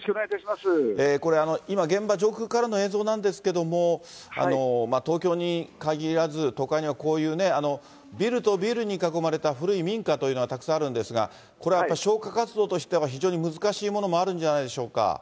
これ、今、現場上空からの映像なんですけれども、東京に限らず、都会にはこういうね、ビルとビルに囲まれた古い民家というのはたくさんあるんですが、これはやっぱり消火活動としては、非常に難しいものもあるんじゃないでしょうか。